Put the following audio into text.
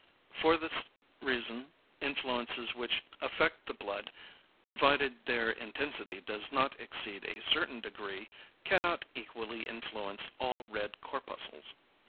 For this reason influences which affect the blood provided their intensity does not exceed a certain degree cannot equally influence all red corpuscles.